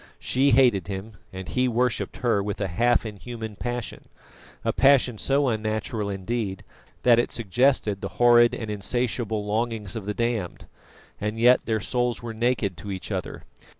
She hated him, and he worshipped her with a half inhuman passion a passion so unnatural, indeed, that it suggested the horrid and insatiable longings of the damned and yet their souls were naked to each other.